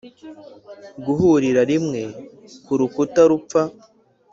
guhurira rimwe kurukuta rupfa